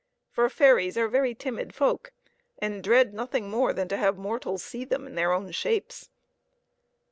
For fairies are very timid folk, and dread nothing more than to have mortals see them in their own shapes.